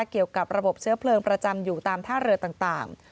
เกี่ยวกับระบบเชื้อเพลิงประจำอยู่ตามท่าเรือต่าง